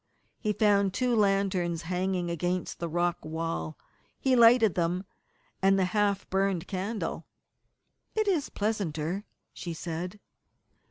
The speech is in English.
He found two lanterns hanging against the rock wall. He lighted them, and the half burned candle. "It is pleasanter," she said.